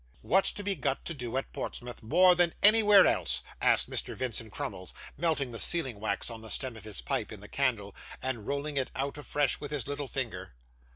'What's to be got to do at Portsmouth more than anywhere else?' asked Mr Vincent Crummles, melting the sealing wax on the stem of his pipe in the candle, and rolling it out afresh with his little finger.